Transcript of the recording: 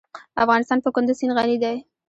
افغانستان په کندز سیند غني دی.